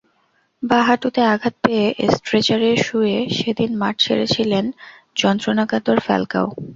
বাঁ হাঁটুতে আঘাত পেয়ে স্ট্রেচারে শুয়ে সেদিন মাঠ ছেড়েছিলেন যন্ত্রণাকাতর ফ্যালকাও।